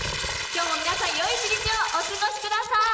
今日も皆さん良い１日をお過ごしください。